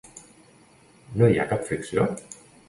No hi ha cap fricció?